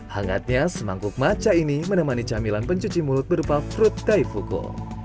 hangatnya semangkuk maca ini menemani camilan pencuci mulut berupa fruit taifuku